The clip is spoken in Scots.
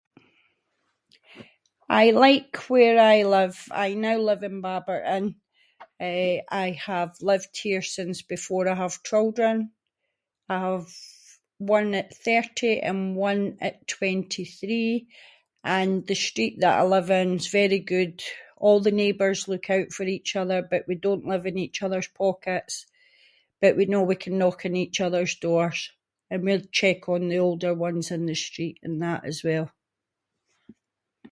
I like where I live, I now live in Baberton, eh, I have lived here since before I have children, I have one at thirty and one at twenty-three, and the street that I live in is very good, all the neighbours look out for each other but we don’t live in each other’s pockets, but we know we can knock on each other’s doors and we check on the older ones in the street and that as well.